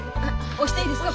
押していいですか？